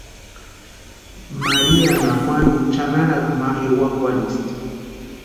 Maríanha Juanuni chʼanarakwa ma ewakwarhisti.